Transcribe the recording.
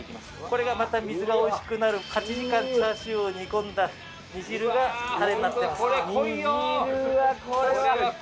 これがまた水がおいしくなる８時間チャーシューを煮込んだ煮汁がたれになってます。